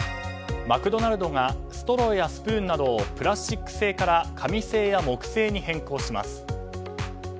マクドナルドがストローやスプーンなどをプラスチック製から紙製や木製に変更します。